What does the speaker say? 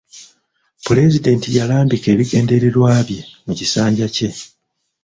Pulezidenti yalambika ebigendererwa bye mu kisanja kye.